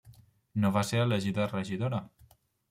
No va ser elegida regidora.